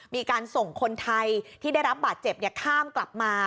มีการส่งคนไทยที่ได้รับบาดเจ็บข้ามกลับมา